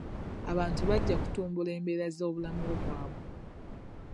Abantu bajja kutumbula embeera z'obulamu bwabwe.